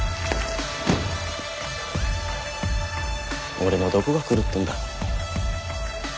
俺のどこが狂ってるんだ？